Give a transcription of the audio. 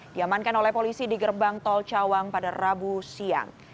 diamankan oleh polisi di gerbang tol cawang pada rabu siang